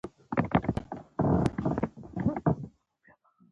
ایا ستاسو غوښه به تازه نه وي؟